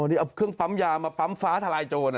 นี่เอาเครื่องปั๊มยามาปั๊มฟ้าทลายโจร